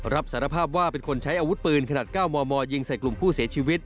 รับสารภาพว่าเป็นคนใช้อาวุธปืนขนาด๙มมยิงใส่กลุ่มผู้เสียชีวิต